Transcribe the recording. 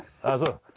ああそう。